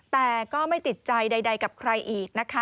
แต่ก็ไม่ติดใจใดกับใครอีกนะคะ